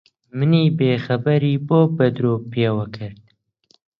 منی بێخەبەری بۆ بە درۆ پێوە کرد؟